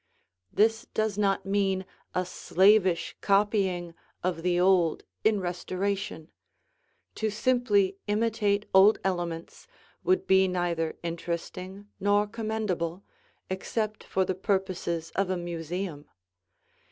This does not mean a slavish copying of the old in restoration; to simply imitate old elements would be neither interesting nor commendable, except for the purposes of a museum.